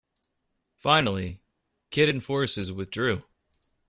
Finally, Khitan forces withdrew.